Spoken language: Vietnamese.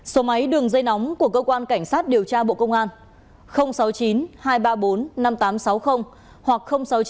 số máy đường dây nóng của cơ quan cảnh sát điều tra bộ công an sáu mươi chín hai trăm ba mươi bốn năm nghìn tám trăm sáu mươi hoặc sáu mươi chín hai trăm ba mươi hai một nghìn sáu trăm sáu mươi